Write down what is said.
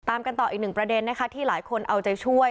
ตามกันต่ออีกหนึ่งประเด็นนะคะที่หลายคนเอาใจช่วย